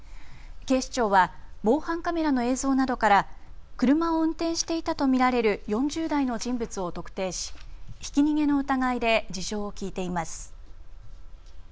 警視庁は防犯カメラの映像などから車を運転していたと見られる４０代の人物を特定しひき逃げの疑いで事情を聴いています。